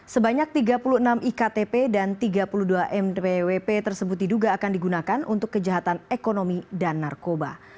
sebanyak tiga puluh enam iktp dan tiga puluh dua mpwp tersebut diduga akan digunakan untuk kejahatan ekonomi dan narkoba